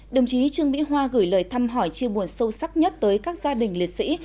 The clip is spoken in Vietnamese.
đồng chí trương mỹ hoa gửi lời thăm hỏi chia buồn sâu sắc nhất tới các gia đình liệt sĩ